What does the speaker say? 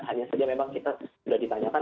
hanya saja memang kita sudah ditanyakan